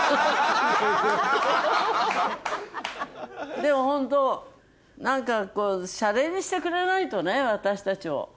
でもホント何かシャレにしてくれないとね私たちを。